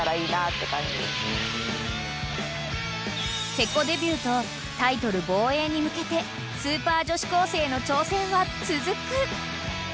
［勢子デビューとタイトル防衛に向けてスーパー女子高生の挑戦は続く］